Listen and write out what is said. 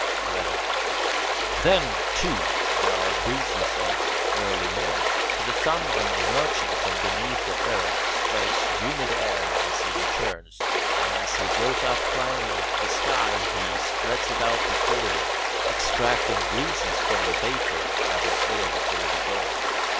11. Then, too, there are the breezes of early morning; for the sun on emerging from beneath the earth strikes humid air as he returns, and as he goes climbing up the sky he spreads it out before him, extracting breezes from the vapour that was there before the dawn.